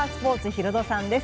ヒロドさんです。